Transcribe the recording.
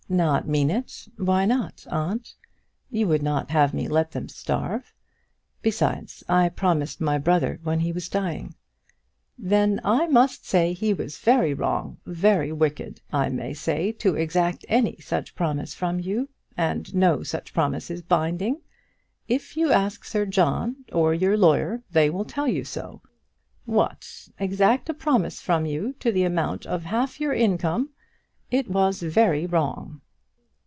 "Not mean it? why not, aunt? You would not have me let them starve. Besides, I promised my brother when he was dying." "Then I must say he was very wrong, very wicked, I may say, to exact any such promise from you; and no such promise is binding. If you ask Sir John, or your lawyer, they will tell you so. What! exact a promise from you to the amount of half your income. It was very wrong."